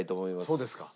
そうですか。